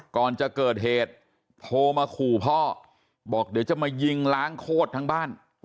ก่อนจะเกิดเหตุโทรมาขู่พ่อบอกเดี๋ยวจะมายิงล้างโคตรทั้งบ้าน